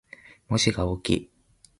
文字が大きい